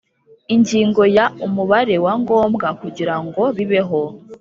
Ingingo ya Umubare wa ngombwa kugira ngo bibeho